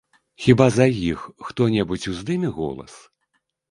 Хіба за іх хто-небудзь уздыме голас?